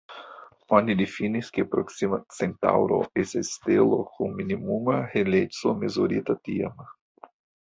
Oni difinis, ke Proksima Centaŭro estas stelo kun minimuma heleco mezurita tiam.